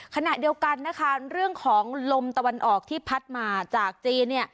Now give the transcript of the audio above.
ขณะเดียวกันนะคะเรื่องของลมตะวันออกที่พัดมาจากจีน